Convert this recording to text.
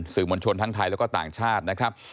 มวลชนทั้งไทยแล้วก็ต่างชาตินะครับ